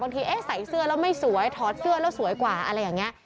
เอ๊ะใส่เสื้อแล้วไม่สวยถอดเสื้อแล้วสวยกว่าอะไรอย่างนี้